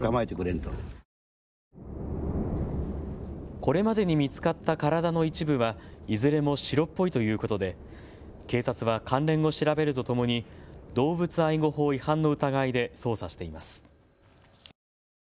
これまでに見つかった体の一部はいずれも白っぽいということで警察は関連を調べるとともに動物愛護法違反の疑いで捜査しています。